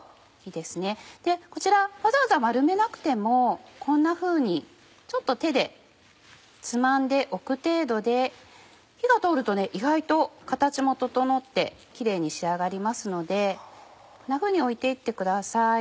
でこちらわざわざ丸めなくてもこんなふうにちょっと手でつまんで置く程度で火が通るとね意外と形も整ってキレイに仕上がりますのでこんなふうに置いて行ってください。